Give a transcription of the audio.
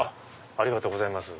ありがとうございます。